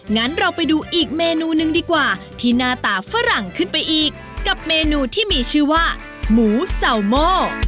งั้นเราไปดูอีกเมนูหนึ่งดีกว่าที่หน้าตาฝรั่งขึ้นไปอีกกับเมนูที่มีชื่อว่าหมูซาวโม